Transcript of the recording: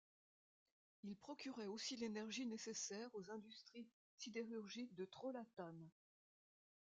Il procurait aussi l'énergie nécessaire aux industries sidérurgiques de Trollhättan.